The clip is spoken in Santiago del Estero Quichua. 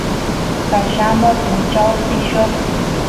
qallamba punchawpi lloqsin